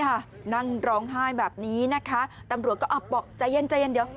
นี่ค่ะนั่งร้องไห้แบบนี้นะคะตำรวจก็อบบอกใจเย็นเดี๋ยว